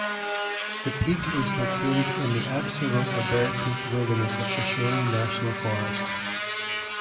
The peak is located in the Absaroka–Beartooth Wilderness of Shoshone National Forest.